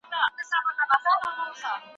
پرېمانه طبيعي زېرمې د هېواد شتمني ده.